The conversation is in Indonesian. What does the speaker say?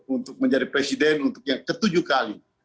untuk menjadi presiden untuk yang ketujuh kali